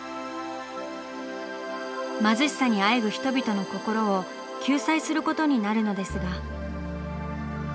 貧しさにあえぐ人々の心を救済することになるのですが。